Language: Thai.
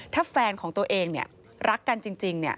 ถ้าแฟนของตัวเองรักกันจริง